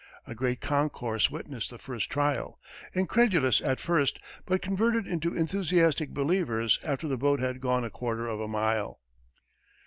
A great concourse witnessed the first trial, incredulous at first, but converted into enthusiastic believers before the boat had gone a quarter of a mile.